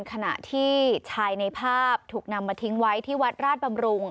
ขณะที่ชายในภาพถูกนำมาทิ้งไว้ที่วัดราชบำรุง